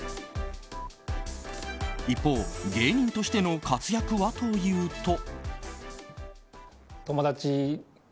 一方、芸人としての活躍はというと。